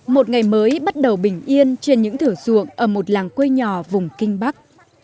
một ngày mới bắt đầu bình yên trên những thửa ruộng ở một làng quê nhỏ vùng kinh bắc